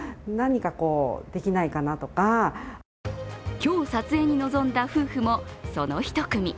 今日、撮影に臨んだ夫婦もその一組。